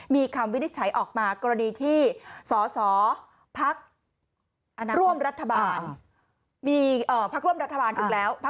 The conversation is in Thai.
มีคำวินิจฉัยออกมากรณีที่สอสอภักดิ์ร่วมรัฐบาล